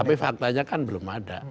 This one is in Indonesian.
tapi faktanya kan belum ada